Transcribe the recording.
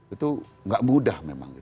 itu gak mudah memang